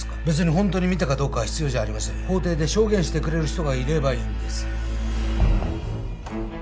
ホントに見たかどうかは必要じゃありません法廷で証言してくれる人がいればいいんですあ